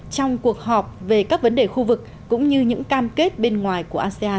trong cuộc họp về các vấn đề khu vực cũng như những cam kết bên ngoài của asean